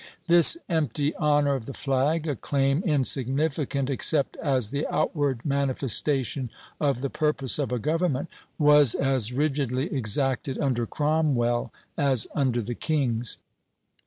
This empty honor of the flag, a claim insignificant except as the outward manifestation of the purpose of a government, was as rigidly exacted under Cromwell as under the kings.